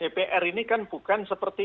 dpr ini kan bukan seperti